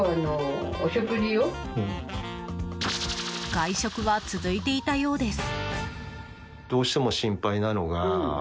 外食は続いていたようです。